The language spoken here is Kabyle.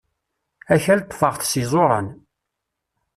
Akal ṭṭfeɣ-t s yiẓuran.